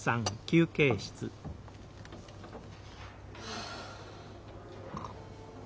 はあ。